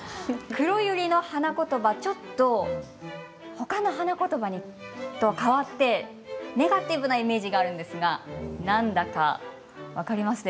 クロユリの花言葉ちょっと他の花言葉とは変わってネガティブなイメージがあるんですが何だか分かりますか？